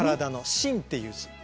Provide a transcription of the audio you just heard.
「身」っていう字。